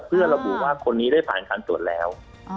เพื่อระบุว่าคนนี้ได้ผ่านการตรวจแล้ว